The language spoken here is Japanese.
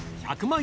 １１０万。